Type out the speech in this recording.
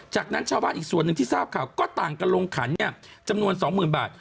จากนั้นชาวบ้านอีกส่วนหนึ่งที่ทราบข่าวก็ต่างกันลงขันจำนวน๒๐๐๐บาท